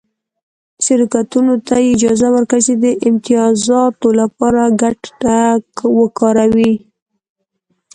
شرکتونو ته یې اجازه ورکړه چې د امتیازاتو لپاره ګټه وکاروي